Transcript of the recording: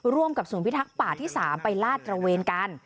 ร่วมกับศูนย์พิทักษ์ป่าที่๓ไปลาดตระเวนกัน